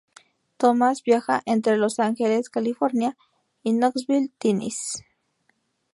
Thomas viaja entre Los Ángeles, California y Knoxville, Tennessee.